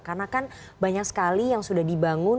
karena kan banyak sekali yang sudah dibangun